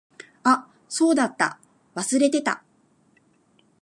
あ、そうだった。忘れてた。